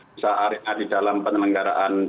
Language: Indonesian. usaha arena di dalam penyelenggaraan